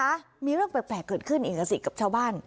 ตอนนี้นะคะมีเรื่องแปลกเกิดขึ้นเองกันสิกับชาวบ้าน